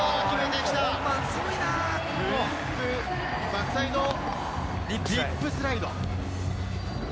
バックサイドリップスライド。